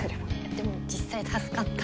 でも実際助かった。